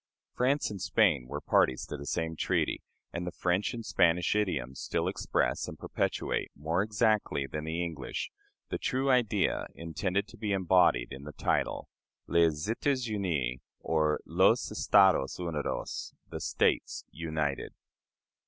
France and Spain were parties to the same treaty, and the French and Spanish idioms still express and perpetuate, more exactly than the English, the true idea intended to be embodied in the title les États Unis, or los Estados Unidos the States united.